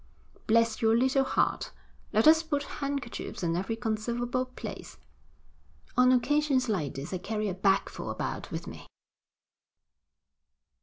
'Bless your little heart! Let us put handkerchiefs in every conceivable place.' 'On occasions like this I carry a bagful about with me.'